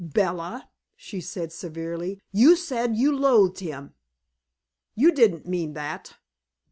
"Bella," she said severely, "you said you loathed him. You didn't mean that."